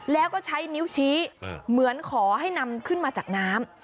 แล้วก็ใช้นิ้วชี้เหมือนขอให้นำขึ้นมาจากน้ำ